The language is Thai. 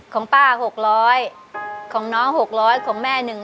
ของป้า๖๐๐ของน้อง๖๐๐ของแม่๑๐๐